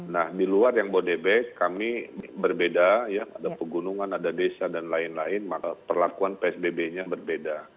nah di luar yang bodebek kami berbeda ya ada pegunungan ada desa dan lain lain maka perlakuan psbb nya berbeda